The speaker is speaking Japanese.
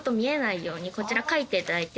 こちら書いていただいて。